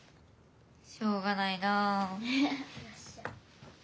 しょうがないな。